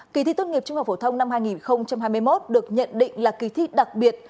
kỳ thi tốt nghiệp trung học phổ thông năm hai nghìn hai mươi một được nhận định là kỳ thi đặc biệt